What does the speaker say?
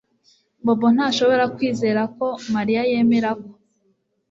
Bobo ntashobora kwizera ko Mariya yemera ko